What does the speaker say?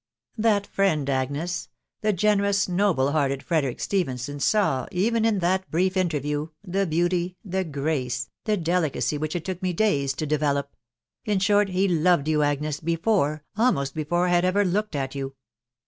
" That friend, Agnes, the generous noble hearted Frederick Stephenson, saw, even in that brief interview, the beauty, the grace, the delicacy which it took me days to develop .... in short, he loved you, Agnes, before, almost before I had ever looked at you